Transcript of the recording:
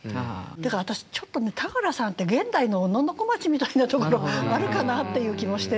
だから私ちょっとね俵さんって現代の小野小町みたいなところあるかなっていう気もしてるんですね。